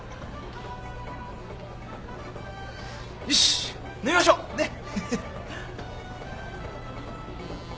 よし飲みましょうねっ。